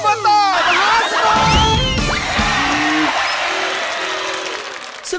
ออเบอร์ตอมหาสนุก